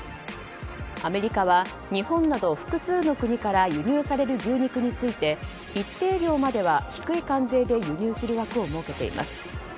アメリカは日本など複数の国から輸入される牛肉について一定量までは低い関税で輸入する枠を設けています。